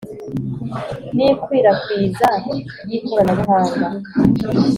n ikwirakwiza ry ikoranabuhanga